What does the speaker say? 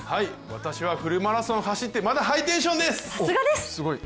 私はフルマラソン走ってまだハイテンションです！